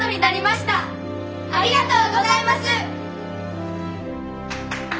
ありがとうございます！